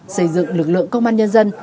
xây dựng lực lượng công an nhân dân